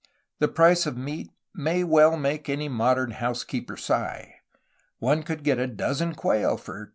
The price of meat may well make any modern house keeper sigh. One could get a dozen quail for $.